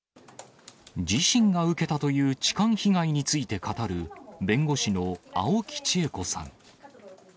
自身が受けたという痴漢被害について語る、弁護士の青木千恵子さん。